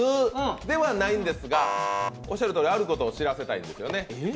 ではないんですが、おっしゃるとおりあることを知らせたいんです。